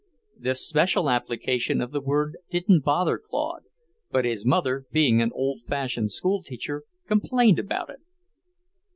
This special application of the word didn't bother Claude, but his mother, being an old fashioned school teacher, complained about it.